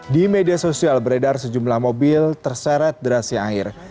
di media sosial beredar sejumlah mobil terseret derasnya air